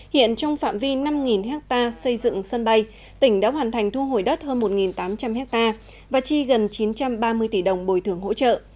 hiện trong phạm vi năm ha xây dựng sân bay tỉnh đã hoàn thành thu hồi đất hơn một tám trăm linh ha và chi gần chín trăm ba mươi tỷ đồng bồi thường hỗ trợ